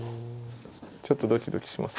ちょっとドキドキします。